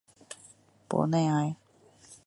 博内埃。